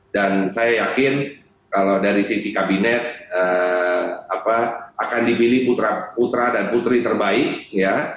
dan saya yakin kalau dari sisi kabinet apa akan dibilih putra dan putri terbaik ya